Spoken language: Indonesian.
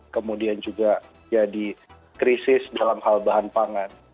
kemudian juga jadi krisis dalam hal bahan pangan